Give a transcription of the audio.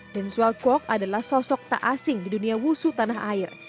lin swell kwok adalah sosok tak asing di dunia wushu tanah air